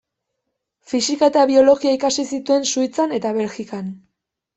Fisika eta biologia ikasi zituen Suitzan eta Belgikan.